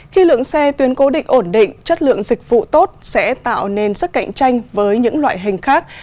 khi lượng xe tuyến cố định ổn định chất lượng dịch vụ tốt sẽ tạo nên sức cạnh tranh với những loại hình khác